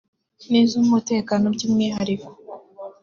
n’iz’umutekano by’umwihariko